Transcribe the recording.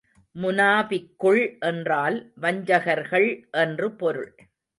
முனாபிக்குள் என்றால் வஞ்சகர்கள் என்று பொருள்.